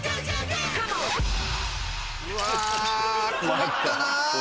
うわ困ったなぁ。